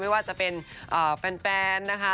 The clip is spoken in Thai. ไม่ว่าจะเป็นแฟนนะคะ